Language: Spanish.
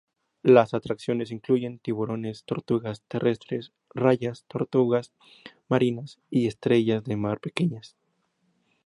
Las atracciones incluyen tiburones, tortugas terrestres, rayas, tortugas marinas, y estrellas de mar pequeñas.